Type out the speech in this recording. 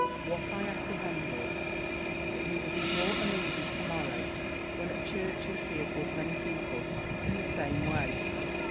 What I apprehend is, that you will be more uneasy to morrow, when at church you'll see a good many people in the same way.